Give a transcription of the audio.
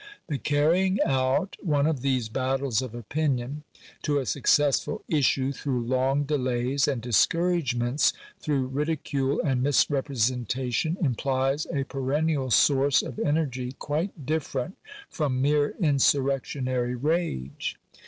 The carrying out one of these battles of opinion to a successful issue through long delays and discouragements, through ridicule and misrepresentation, implies a perennial source of energy quite different from mere insurrectionary rage.